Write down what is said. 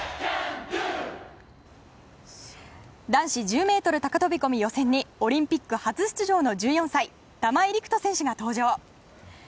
男子１０ｍ高飛込予選にオリンピック初出場の１４歳玉井陸斗選手が登場。